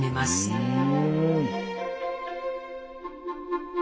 うん。